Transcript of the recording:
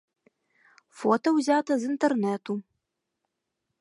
Фота ўзята з інтэрнэту.